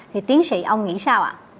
thì tiến sĩ ông nghĩ sao ạ